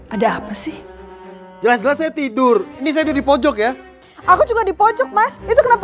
ada apa sih jelas jelas saya tidur ini saya di pojok ya aku juga dipojok mas itu kenapa